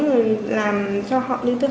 rồi làm cho họ đi tiếp